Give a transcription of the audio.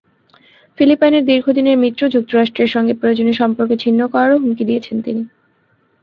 ফিলিপাইনের দীর্ঘদিনের মিত্র যুক্তরাষ্ট্রের সঙ্গে প্রয়োজনে সম্পর্ক ছিন্ন করারও হুমকি তিনি দিয়েছেন।